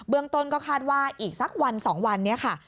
เมืองต้นก็คาดว่าอีกสักวัน๒วันนี้ค่ะ